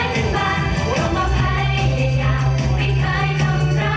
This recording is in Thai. จะได้ดังใจของพระธนา